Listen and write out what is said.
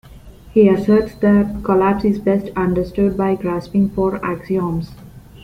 He asserts that collapse is best understood by grasping four axioms.